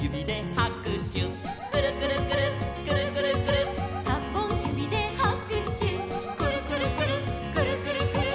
「にほんゆびではくしゅ」「くるくるくるっくるくるくるっ」「さんぼんゆびではくしゅ」「くるくるくるっくるくるくるっ」